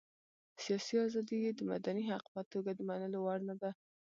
سياسي ازادي یې د مدني حق په توګه د منلو وړ نه ده.